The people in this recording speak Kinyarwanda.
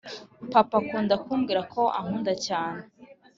Papa akunda kumbwira ko ankunda cyane